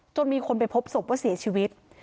มีคนไปพบศพว่าเสียชีวิต